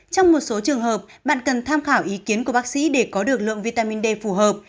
trong một số trường hợp bạn cần tham khảo ý kiến của bác sĩ để có được lượng vitamin d phù hợp